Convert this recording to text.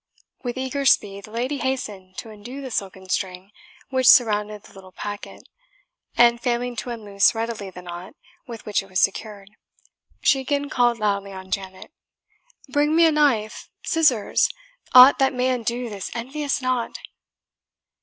With eager speed the lady hastened to undo the silken string which surrounded the little packet, and failing to unloose readily the knot with which it was secured, she again called loudly on Janet, "Bring me a knife scissors aught that may undo this envious knot!"